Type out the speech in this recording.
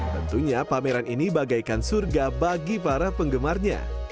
tentunya pameran ini bagaikan surga bagi para penggemarnya